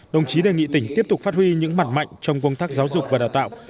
đồng chí đề nghị tỉnh tiếp tục phát huy những mặt mạnh trong công tác giáo dục và đào tạo